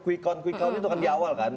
kuih kaun kuih kaun itu kan di awal kan